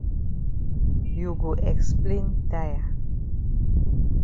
You go explain tire.